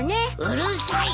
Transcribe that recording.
うるさい！